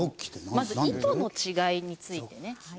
まず糸の違いについてね。